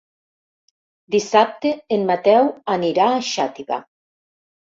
Dissabte en Mateu anirà a Xàtiva.